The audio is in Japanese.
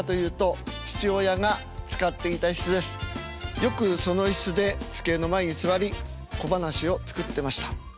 よくその椅子で机の前に座り小噺を作ってました。